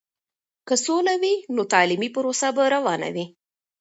که سوله وي، نو تعلیمي پروسه به روانه وي.